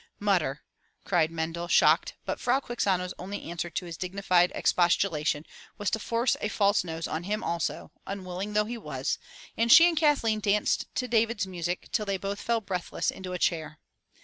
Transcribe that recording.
''Mutterr' cried Mendel, shocked, but Frau Quixano*s only answer to his dignified expostulation was to force a false nose on him also, unwilling though he was, and she and Kathleen danced to David's music till they both fell breathless into a chair.